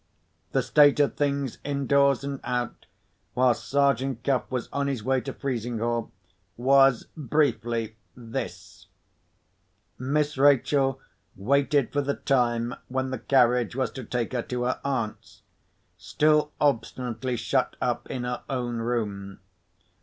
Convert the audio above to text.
The state of things, indoors and out, while Sergeant Cuff was on his way to Frizinghall, was briefly this: Miss Rachel waited for the time when the carriage was to take her to her aunt's, still obstinately shut up in her own room.